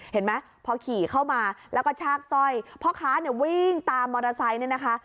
เห็นไหมพอขี่เข้ามาแล้วก็ชากสร้อยพ่อค้าเนี่ยวิ่งตามมอเตอร์ไซค์เนี่ยนะคะ